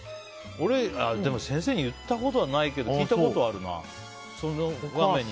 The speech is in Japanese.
俺、でも先生に言ったことはないけど聞いたことはあるな。